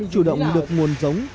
chủ động được nguồn giống